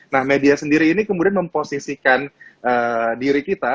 nah media sendiri ini kemudian memposisikan diri kita